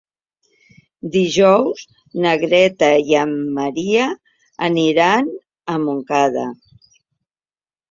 Dijous na Greta i en Maria iran a Montcada.